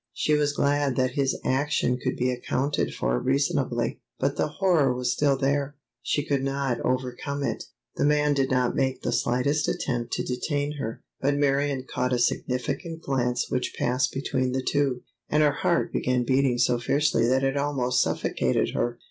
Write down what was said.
She was glad that his action could be accounted for reasonably, but the horror was still there—she could not overcome it. The man did not make the slightest attempt to detain her, but Marion caught a significant glance which passed between the two, and her heart began beating so fiercely that it almost suffocated her.